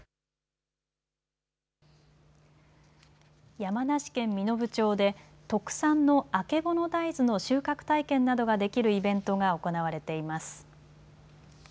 山梨県身延町で特産のあけぼの大豆の収穫体験などができるイベントが行われています。